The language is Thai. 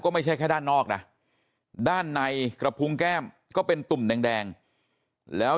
ไม่ใช่แค่ด้านนอกนะด้านในกระพุงแก้มก็เป็นตุ่มแดงแล้ว